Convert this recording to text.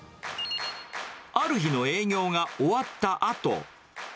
ある日の営業が終わったあと。